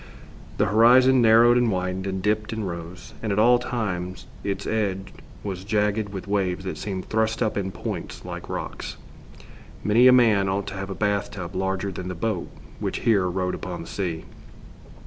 The horizon narrowed and widened, and dipped and rose, and at all times its edge was jagged with waves that seemed thrust up in points like rocks. Many a man ought to have a bath tub larger than the boat which here rode upon the sea.